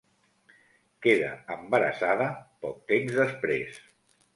Queda embarassada poc temps després.